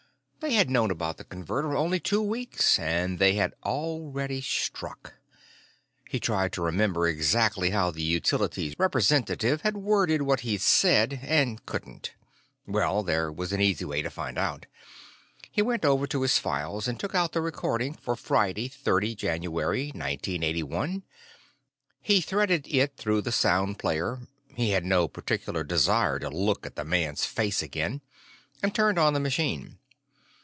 They had known about the Converter only two weeks, and they had already struck. He tried to remember exactly how the Utilities representative had worded what he'd said, and couldn't. Well, there was an easy way to find out. He went over to his files and took out the recording for Friday, 30 January 1981. He threaded it through the sound player he had no particular desire to look at the man's face again and turned on the machine.